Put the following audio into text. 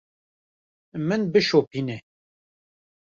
Min bişopîne.